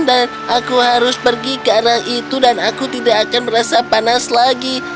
dan aku harus pergi ke arah itu dan aku tidak akan merasa panas lagi